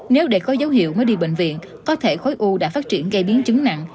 nếu để có dấu hiệu mới đi bệnh viện có thể khối u đã phát triển gây biến chứng nặng